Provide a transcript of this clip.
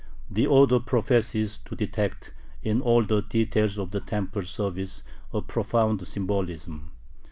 The author professes to detect in all the details of the temple service a profound symbolism.